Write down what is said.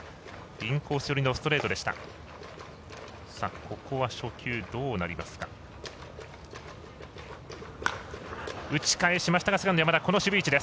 インコースよりのストレートでした。